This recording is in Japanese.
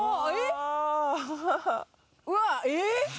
うわうわっえっ？